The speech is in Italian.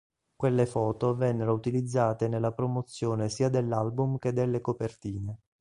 Quelle foto vennero utilizzate nella promozione sia dell'album che delle copertine.